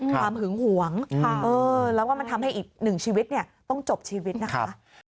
หึงหวงแล้วก็มันทำให้อีกหนึ่งชีวิตต้องจบชีวิตนะคะ